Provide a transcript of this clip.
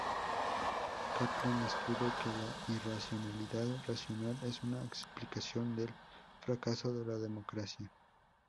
Caplan escribe que la irracionalidad racional es una explicación del fracaso de la democracia.